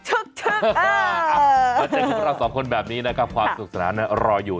มาเจอกับเราสองคนแบบนี้นะครับความสุขสนานรออยู่